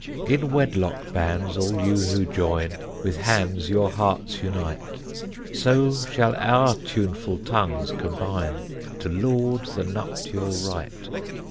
In wedlock bands all ye who join, With hands your hearts unite; So shall our tuneful tongues combine To laud the nuptial rite.